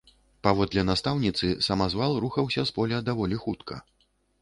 Паводле настаўніцы, самазвал рухаўся з поля даволі хутка.